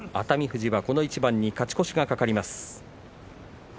富士は、この一番に勝ち越しが懸かります。